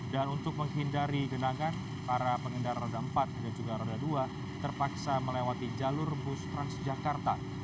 dan untuk menghindari genangan para pengendara roda empat dan juga roda dua terpaksa melewati jalur bus transjakarta